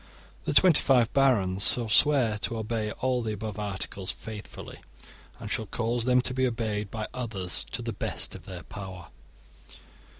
* The twenty five barons shall swear to obey all the above articles faithfully, and shall cause them to be obeyed by others to the best of their power.